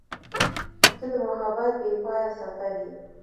• ته د محبت بېپایانه سفر یې.